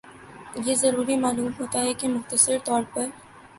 یہ ضروری معلوم ہوتا ہے کہ مختصر طور پر